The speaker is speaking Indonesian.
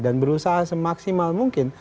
dan berusaha semaksimal mungkin